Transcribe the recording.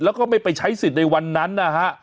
แล้วก็ไม่ไปใช้สิทธิ์ในวันนั้นนะฮะ